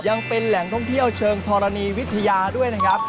ยังเป็นแหล่งท่องเที่ยวเชิงธรณีวิทยาด้วยนะครับ